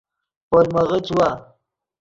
پولمغے چیوا